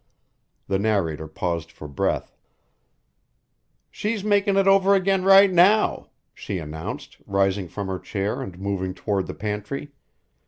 The narrator paused for breath. "She's makin' it over again right now," she announced, rising from her chair and moving toward the pantry.